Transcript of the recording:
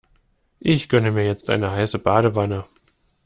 Ich gönne mir jetzt eine heiße Badewanne.